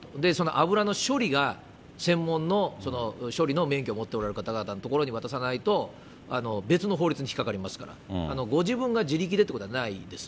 油の処理が、専門の処理の免許持っておられる方々に渡さないと、別の法律に引っ掛かりますから、ご自分が自力でってことはないです。